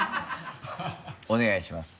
お願いします。